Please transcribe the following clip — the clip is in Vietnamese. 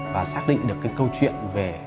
và xác định được cái câu chuyện về